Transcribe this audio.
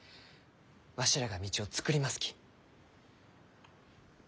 わしらが道をつくりますき。